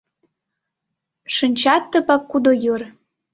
Шинчат тыпак кудо йыр.